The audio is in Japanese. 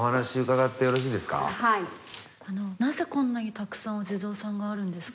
なぜこんなにたくさんお地蔵さんがあるんですか？